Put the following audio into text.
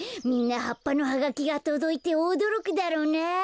みんなはっぱのハガキがとどいておどろくだろうな。